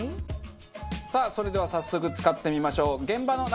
さあそれでは早速使ってみましょう。